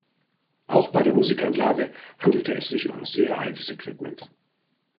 Auch bei der Musikanlage handelte es sich um sehr altes Equipment.